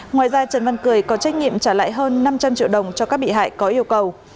ngoài ra trần văn cười có trách nhiệm trả lại hơn năm trăm linh triệu đồng cho các bị hại có yêu cầu